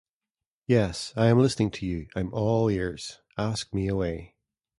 Yes, I am listening to you. I'm all ears. Ask me away.